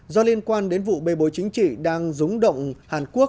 do liên quan đến vụ bê bối chính trị đang rúng động hàn quốc